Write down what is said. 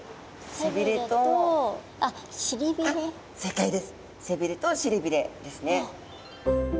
背びれとしりびれですね。